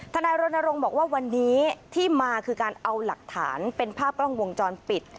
นายรณรงค์บอกว่าวันนี้ที่มาคือการเอาหลักฐานเป็นภาพกล้องวงจรปิด